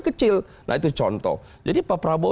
kecil nah itu contoh jadi pak prabowo